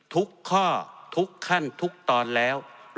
ทุกข้อทุกขั้นทุกตอนแล้ว